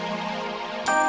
sekarang ibu masuk